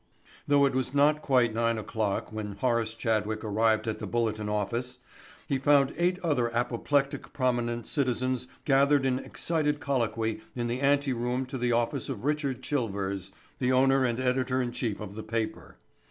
Though it was not quite nine o'clock when Horace Chadwick arrived at the Bulletin office he found eight other apoplectic prominent citizens gathered in excited colloquy in the ante room to the office of Richard Chilvers, the owner and editor in chief of the paper.